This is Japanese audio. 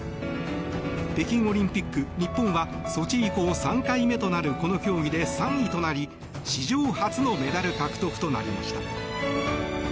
北京オリンピック、日本はソチ以降３回目となるこの競技で３位となり、史上初のメダル獲得となりました。